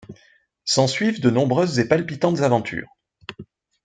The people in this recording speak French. S'ensuivent de nombreuses et palpitantes aventures.